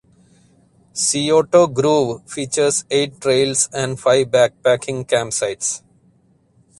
Scioto Grove features eight trails and five backpacking campsites.